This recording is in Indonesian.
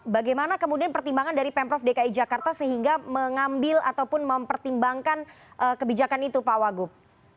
bagaimana kemudian pertimbangan dari pemprov dki jakarta sehingga mengambil ataupun mempertimbangkan kebijakan itu pak wagub